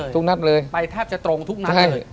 นัดเลยไปแทบจะตรงทุกนัดเลย